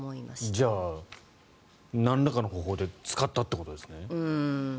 じゃあ、なんらかの方法で使ったということですね。